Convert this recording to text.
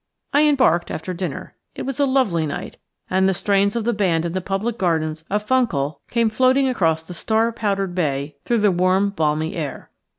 I embarked after dinner. It was a lovely night, and the strains of the band in the public gardens of Funchal came floating across the star powdered bay through the warm, balmy air.